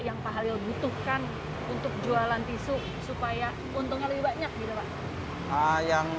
yang pak halil butuhkan untuk jualan tisu supaya untungnya lebih banyak gitu pak